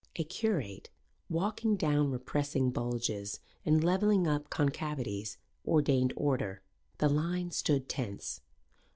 A curate, walking down repressing bulges and levelling up concavities, ordained order. The line stood tense.